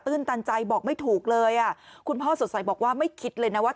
ื้นตันใจบอกไม่ถูกเลยอ่ะคุณพ่อสดใสบอกว่าไม่คิดเลยนะว่า